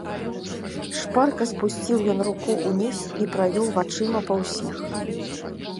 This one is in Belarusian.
Шпарка спусціў ён руку ўніз і правёў вачыма па ўсіх.